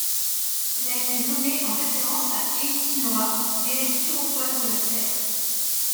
Elle a été nommée en référence à Eithinoha, déesse Iroquoise de la Terre.